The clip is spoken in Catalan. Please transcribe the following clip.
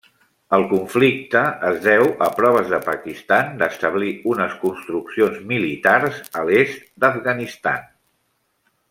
El conflicte es deu a proves de Pakistan d'establir unes construccions militars a l'est d'Afganistan.